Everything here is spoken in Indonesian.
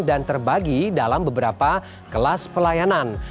dan terbagi dalam beberapa kelas pelayanan